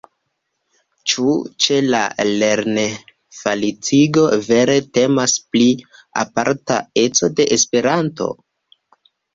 Ĉu ĉe la lernfaciligo vere temas pri aparta eco de Esperanto?